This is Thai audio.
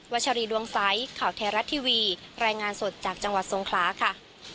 วัชรีดวงซ้ายข่าวแทรศทีวีแรงงานสดจากจังหวัดทรงคลาค่ะ